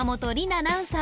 アナウンサー